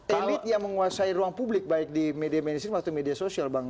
elit yang menguasai ruang publik baik di media mainstream atau media sosial bang